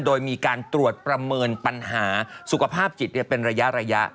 โดยมีการตรวจประเมินปัญหาสุขภาพจิตเป็นระยะ